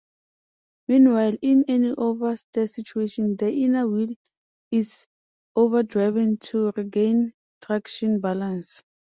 Meanwhile, in an oversteer situation, the inner wheel is overdriven to regain traction balance.